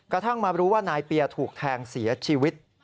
กระทั่งมารู้ว่านายเปียร์ถูกแทงเสียชีวิต